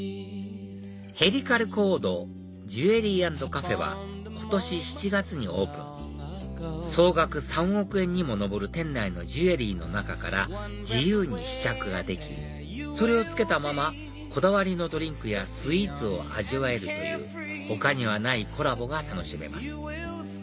ＨＥＬＩＣＡＬＣＨＯＲＤＪＥＷＥＬＲＹ＆ＣＡＦＥは今年７月にオープン総額３億円にも上る店内のジュエリーの中から自由に試着ができそれを着けたままこだわりのドリンクやスイーツを味わえるという他にはないコラボが楽しめます